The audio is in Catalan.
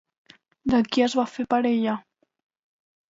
De qui es va fer parella?